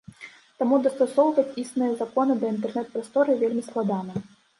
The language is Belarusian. Таму дастасоўваць існыя законы да інтэрнэт-прасторы вельмі складана.